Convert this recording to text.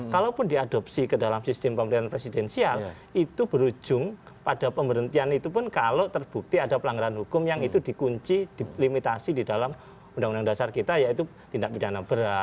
kalaupun diadopsi ke dalam sistem pemerintahan presidensial itu berujung pada pemberhentian itu pun kalau terbukti ada pelanggaran hukum yang itu dikunci di limitasi di dalam undang undang dasar kita yaitu tindak pidana berat